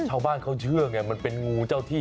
ชาวบ้านเขาเชื่อไงมันเป็นงูเจ้าที่